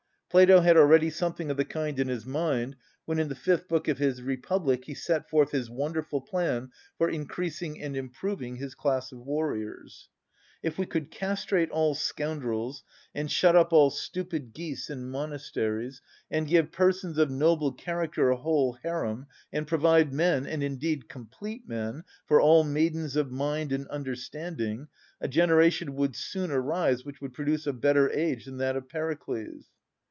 Plato had already something of the kind in his mind when in the fifth book of his Republic he set forth his wonderful plan for increasing and improving his class of warriors. If we could castrate all scoundrels, and shut up all stupid geese in monasteries, and give persons of noble character a whole harem, and provide men, and indeed complete men, for all maidens of mind and understanding, a generation would soon arise which would produce a better age than that of Pericles.